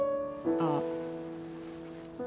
ああ。